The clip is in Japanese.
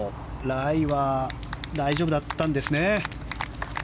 ライは大丈夫だったんですね。